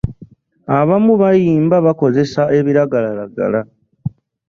Abamu bayimba bakozesa ebiragalalagala.